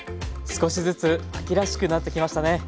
少しずつ秋らしくなってきましたね。